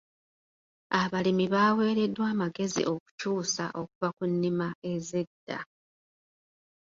Abalimi baaweereddwa amagezi okukyusa okuva ku nnima ez'edda.